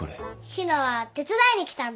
陽菜は手伝いに来たんだ。